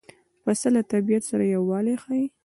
پسه له طبیعت سره یووالی ښيي.